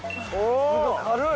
軽い。